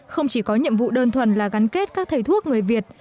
không chỉ có nhiệm vụ đơn thuần là gắn kết các thầy thuốc người việt